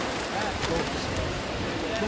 恐怖心です。